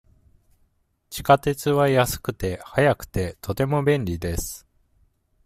地下鉄は安くて、早くて、とても便利です。